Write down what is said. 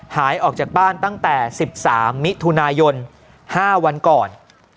หายออกจากบ้านตั้งแต่สิบสามมิถุนายนห้าวันก่อน